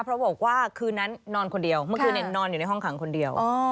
เพราะบอกว่าคืนนั้นนอนคนเดียวเมื่อคืนนอนอยู่ในห้องขังคนเดียว